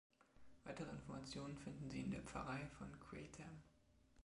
Weitere Informationen finden Sie in der Pfarrei von Greatham.